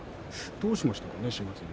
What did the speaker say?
どうしましたかね島津海。